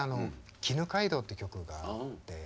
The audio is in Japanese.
「絹街道」って曲があって。